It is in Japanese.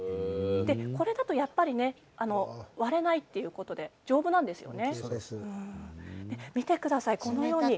これだとやっぱり割れないということで丈夫なんですよね。